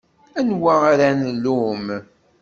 Anwa ara nlumm?